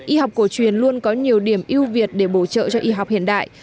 y học cổ truyền luôn có nhiều điểm ưu việt để bổ trợ cho y học hiện đại